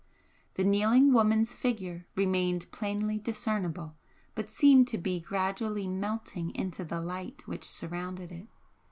The kneeling woman's figure remained plainly discernible, but seemed to be gradually melting into the light which surrounded it.